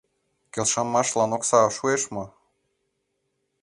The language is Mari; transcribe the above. Келшымашлан окса шуэш мо?